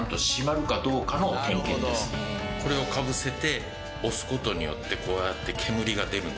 これをかぶせて押す事によってこうやって煙が出るんですけれども。